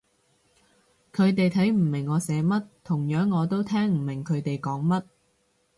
佢哋睇唔明我寫乜，同樣我都聽唔明佢哋講乜